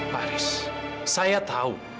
pak haris saya tahu